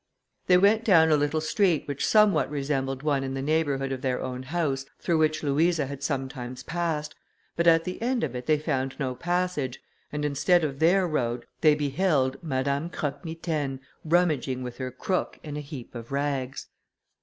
They went down a little street, which somewhat resembled one in the neighbourhood of their own house through which Louisa had sometimes passed, but at the end of it they found no passage, and instead of their road, they beheld ... Madame Croque Mitaine, rummaging with her crook in a heap of rags.